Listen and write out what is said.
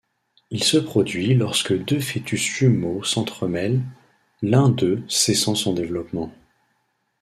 Il se produit lorsque deux fœtus jumeaux s'entremêlent, l'un d'eux cessant son développement.